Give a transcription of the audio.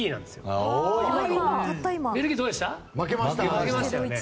負けましたよね。